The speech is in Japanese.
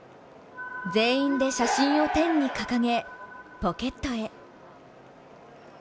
全員で写真を天に掲げ、ポケットへ。